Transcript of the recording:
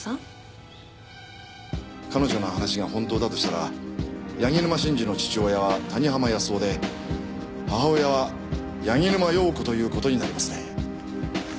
彼女の話が本当だとしたら柳沼真治の父親は谷浜康雄で母親は柳沼洋子という事になりますね。